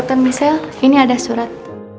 bukan misal ini ada surat